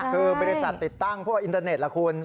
คือบริษัทติดตั้งพวกอินเทอร์เน็ตล่ะคุณ